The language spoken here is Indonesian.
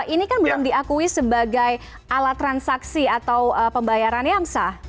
ini kan belum diakui sebagai alat transaksi atau pembayarannya mas